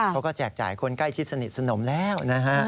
แจกจ่ายคนใกล้ชิดสนิทสนมแล้วนะฮะ